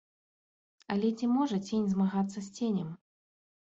Але ці можа цень змагацца з ценем?